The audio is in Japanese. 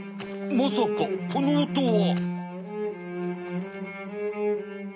まさかこのおとは。